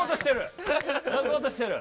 泣こうとしてる！